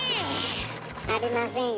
ありませんよ。